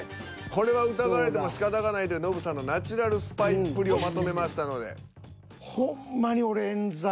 これは疑われてもしかたがないというノブさんのナチュラルスパイっぷりをまとめました。